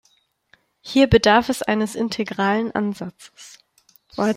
Hier bedarf es eines integralen Ansatzes.